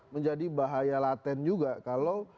menjadi bahaya laten juga kalau